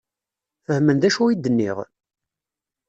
Fehmen d acu i d-nniɣ?